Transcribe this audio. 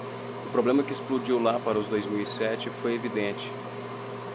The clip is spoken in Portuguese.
O problema que explodiu lá para os dois mil e sete foi evidente.